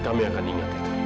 kami akan ingat